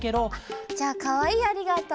じゃあかわいい「ありがとう」